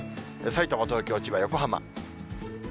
さいたま、東京、千葉、横浜。